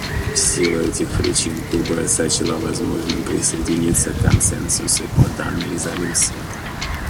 В силу этих причин Куба сочла возможным присоединиться к консенсусу по данной резолюции.